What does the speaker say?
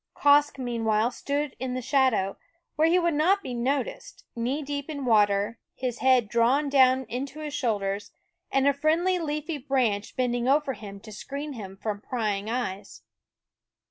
Quoskh meanwhile stood in the shadow, where he would not be noticed, knee deep in water, his head drawn down into his shoulders, and a friendly leafy branch bending over him to screen him from prying eyes.